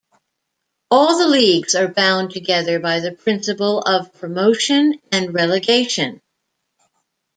All the leagues are bound together by the principle of promotion and relegation.